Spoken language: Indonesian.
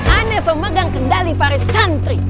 ane pemegang kendali farid santri